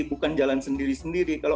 bukan jalan sendiri sendiri kalau